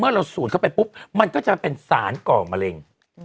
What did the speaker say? เราสูดเข้าไปปุ๊บมันก็จะเป็นสารก่อมะเร็ง